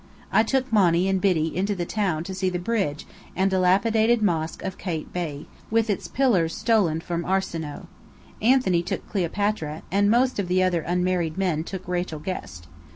I took Monny and Biddy into the town to see the bridge and dilapidated Mosque of Kait Bey, with its pillars stolen from Arsinoë. Anthony took Cleopatra, and most of the other unmarried men took Rachel Guest.